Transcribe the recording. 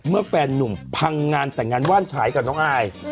แฟนนุ่มพังงานแต่งงานว่านฉายกับน้องอาย